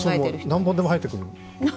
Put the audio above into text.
何本でも生えてくる？